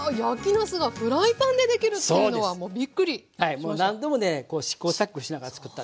はいもう何度もね試行錯誤しながら作ったんですけど。